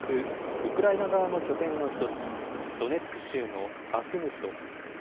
ウクライナ側の拠点の一つ、ドネツク州のバフムト。